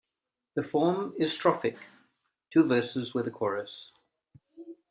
The form is strophic, two verses with a chorus.